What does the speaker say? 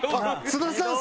津田さん